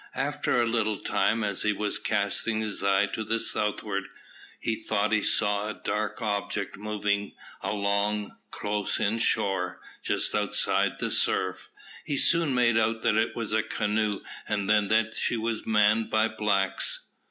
After a little time, as he was casting his eye to the southward, he thought he saw a dark object moving along close in shore, just outside the surf. He soon made out that it was a canoe, and then that she was manned by blacks.